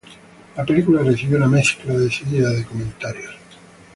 La película recibió una mezcla decidida de comentarios.